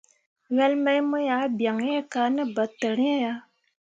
Wel mai mu ah bian iŋ kah ne ɓentǝǝri ah.